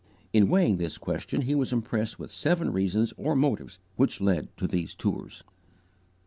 In weighing this question he was impressed with seven reasons or motives, which led to these tours: 1.